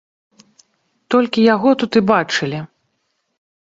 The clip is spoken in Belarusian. Толькі яго тут і бачылі!